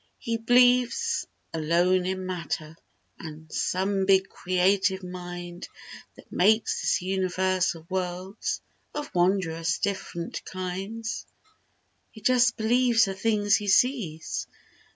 He b'lieves alone in "matter," An' some big creative mind That makes this universe of worlds Of wondrous dif'rent kind. He just believes the things he sees.